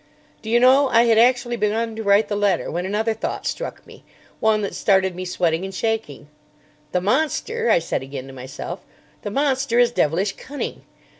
Do you know I had actually begun to write the letter when another thought struck me. One that started me sweating and shaking. 'The monster,' I said again to myself, 'the monster is devilish cunning.